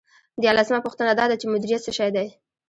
دیارلسمه پوښتنه دا ده چې مدیریت څه شی دی.